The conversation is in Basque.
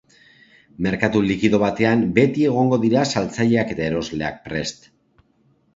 Merkatu likido batean beti egongo dira saltzaileak eta erosleak prest.